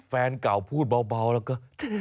แฟนเก่าพูดเบาแล้วก็